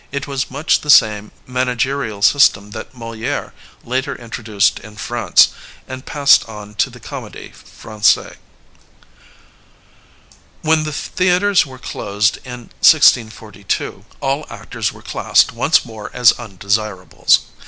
It was much the same mana gerial system that Moliere later introduced in France and passed on to the Comedie Frangaise. When the theatres were closed in 1642, all actors were classed once more as undesirables.